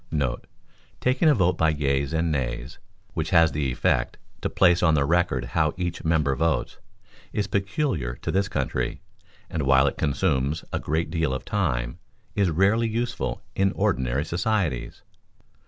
* [Taking a vote by yeas and nays, which has the effect to place on the record how each member votes, is peculiar to this country, and while it consumes a great deal of time, is rarely useful in ordinary societies.